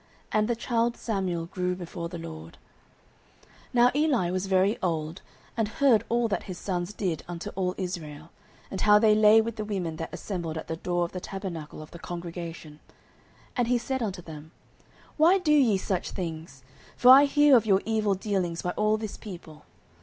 And the child Samuel grew before the LORD. 09:002:022 Now Eli was very old, and heard all that his sons did unto all Israel; and how they lay with the women that assembled at the door of the tabernacle of the congregation. 09:002:023 And he said unto them, Why do ye such things? for I hear of your evil dealings by all this people.